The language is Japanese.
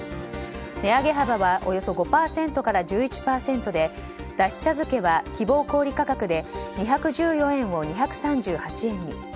値上げ幅はおよそ５％から１１％でだし茶漬けは、希望小売価格で２１４円を２３８円に。